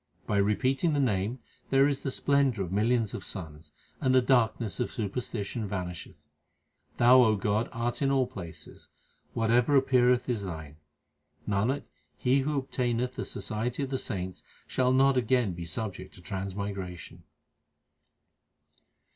By repeating the Name there is the splendour of millions of suns, and the darkness of superstition vanisheth. Thou, O God, art in all places ; whatever appeareth is Thine. Nanak, he who obtaineth the society of the saints shall not again be subject to transmigration.